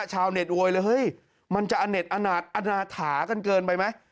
ชาวเน็ตโวยเลยเฮ้ยมันจะอเน็ตอนาถากันเกินไปไหม